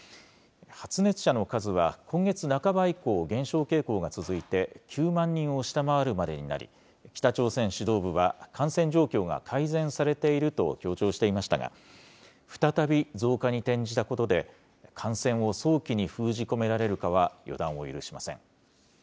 発熱者の数は今月半ば以降、減少傾向が続いて、９万人を下回るまでになり、北朝鮮指導部は感染状況が改善されていると強調していましたが、再び増加に転じたことで、感染を早期に封じ込められるかは、予断を許しません。